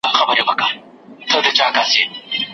چي له پرهار څخه مي ستړی مسیحا ووینم